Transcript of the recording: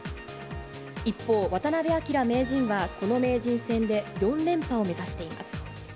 一方、渡辺明名人はこの名人戦で４連覇を目指しています。